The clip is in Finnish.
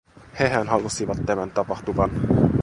Hehän halusivat tämän tapahtuvan.